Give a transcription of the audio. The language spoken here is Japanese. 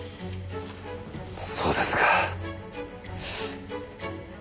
そうですか。